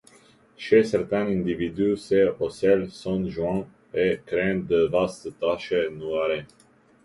Chez certains individus, ces ocelles sont joints et créent de vastes taches noires.